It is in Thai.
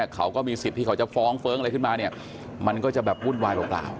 เขาก็มีสิทธิ์ที่เขาจะฟ้องเฟ้องอะไรขึ้นมาเนี่ยมันก็จะแบบวุ่นวายเปล่า